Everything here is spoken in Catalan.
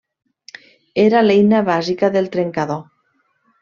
Era l’eina bàsica del trencador.